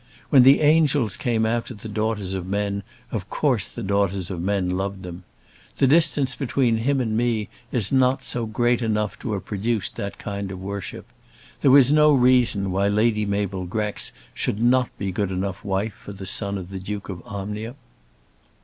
When the angels came after the daughters of men of course the daughters of men loved them. The distance between him and me is not great enough to have produced that sort of worship. There was no reason why Lady Mabel Grex should not be good enough wife for the son of the Duke of Omnium."